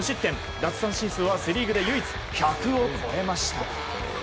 奪三振数はセ・リーグで唯一１００を超えました。